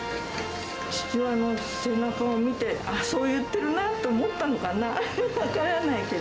父親の背中を見て、あ、そう言ってるなって思ったのかな？